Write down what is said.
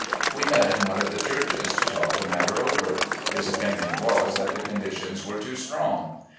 We met in one of the churches to talk the mat ter over. His opinion was, that the conditions were too strong.